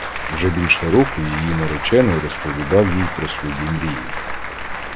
Вже більше року її наречений розповідав їй про свої мрії.